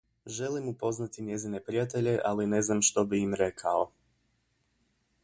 Želim upoznati njezine prijatelje, ali ne znam što bih im rekao.